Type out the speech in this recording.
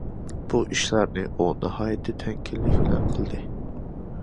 بۇ ئىشلارنى ئۇ ناھايىتى تەمكىنلىك بىلەن قىلدى.